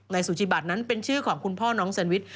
สุจิบัตรนั้นเป็นชื่อของคุณพ่อน้องแซนวิช